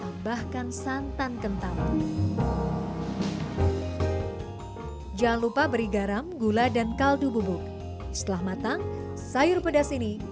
tambahkan santan kental jangan lupa beri garam gula dan kaldu bubuk setelah matang sayur pedas ini